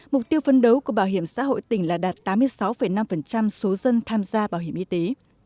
mục tiêu phấn đấu của bảo hiểm xã hội tỉnh là đạt tám mươi sáu năm số dân tham gia bảo hiểm y tế